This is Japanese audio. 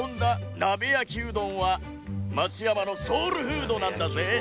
なべ焼きうどんは松山のソウルフードなんだぜ